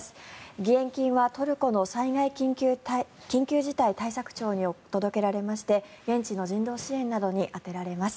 義援金はトルコの災害緊急事態対策庁に届けられまして現地の人道支援などに充てられます。